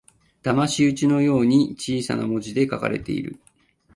だまし討ちのように小さな文字で書かれている